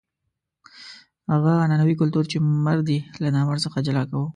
هغه عنعنوي کلتور چې مرد یې له نامرد څخه جلا کاوه.